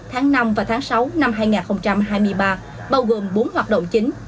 tháng năm và tháng sáu năm hai nghìn hai mươi ba bao gồm bốn hoạt động chính